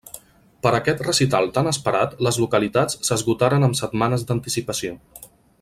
Per a aquest recital tan esperat les localitats s'esgotaren amb setmanes d'anticipació.